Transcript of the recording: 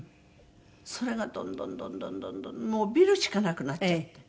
それがどんどんどんどんもうビルしかなくなっちゃって。